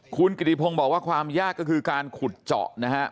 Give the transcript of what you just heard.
คุณกิติพงศ์บอกว่าความยากก็คือการขุดเจาะนะฮะ